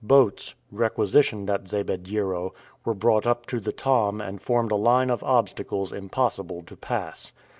Boats, requisitioned at Zabediero, were brought up to the Tom and formed a line of obstacles impossible to pass.